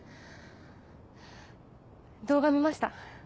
動画見ました。